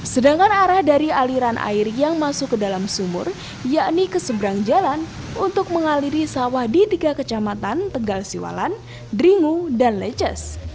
sedangkan arah dari aliran air yang masuk ke dalam sumur yakni keseberang jalan untuk mengaliri sawah di tiga kecamatan tegal siwalan dringu dan leces